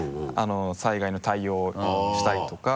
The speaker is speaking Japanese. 災害の対応をしたりとか。